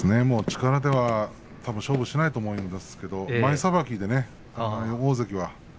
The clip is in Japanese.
力ではたぶん勝負しないと思うんですけれど前さばきで大関は。